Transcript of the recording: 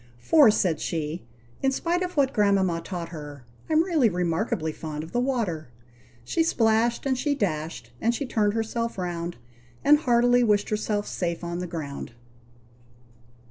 "For," said she, in spite of what grandmama taught her, "I'm really remarkably fond of the water." She splashed, and she dashed, and she turned herself round, And heartily wished herself safe on the ground.